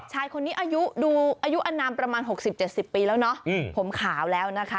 ชายคนนี้อายุดูอายุอนามประมาณ๖๐๗๐ปีแล้วเนาะผมขาวแล้วนะคะ